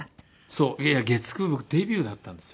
そういやいや月９僕デビューだったんですよ。